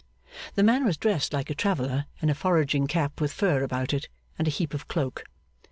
The man was dressed like a traveller, in a foraging cap with fur about it, and a heap of cloak.